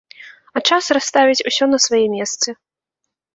А час расставіць усё на свае месцы.